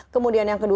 kemudian yang keempat